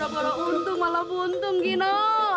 kalau untung malah buntung gino